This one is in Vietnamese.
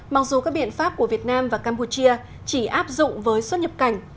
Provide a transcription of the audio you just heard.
mặc dù các biện pháp của việt nam và campuchia chỉ áp dụng với xuất nhập cảnh